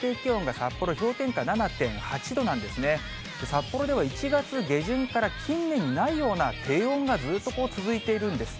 札幌では１月下旬から、近年にないような低温がずっと続いているんです。